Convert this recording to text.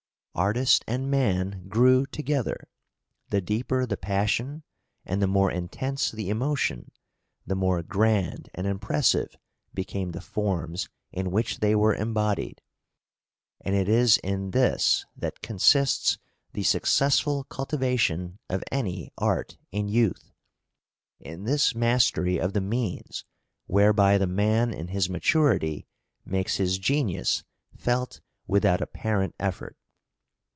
Artist and man grew together; the deeper the passion and the more intense the emotion, the more grand and impressive became the forms in which they were embodied. And it is in this that consists the successful cultivation of any art in youth: in this mastery of the means whereby the man in his maturity makes his genius felt without apparent effort.